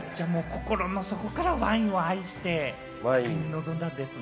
心の底からワインを愛して作品に臨んだんですね。